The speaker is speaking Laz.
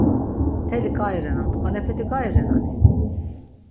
Mteli k̆ai renan, tkvanepeti k̆ai renani?